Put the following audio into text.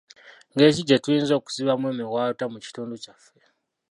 Ngeri ki gye tuyinza okuzibamu emiwaatwa mu kitundu kyaffe?